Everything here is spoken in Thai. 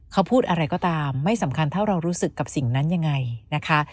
เขาพูดอะไรก็ตามไม่สำคัญเท่าเรารู้สึกกับสิ่งนั้นยังไงนะคะ